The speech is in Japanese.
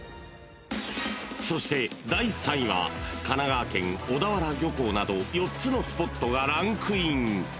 ［そして第３位は神奈川県小田原漁港など４つのスポットがランクイン］